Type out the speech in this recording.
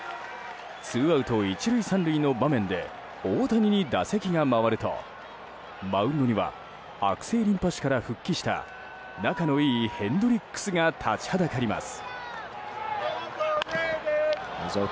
ツーアウト１塁３塁の場面で大谷に打席が回るとマウンドには悪性リンパ腫から復帰した仲のいいヘンドリックスが立ちはだかります。